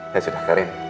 nah sudah karim